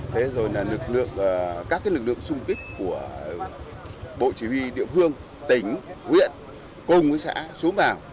thế rồi là các lực lượng xung kích của bộ chỉ huy địa phương tỉnh huyện cùng với xã xuống vào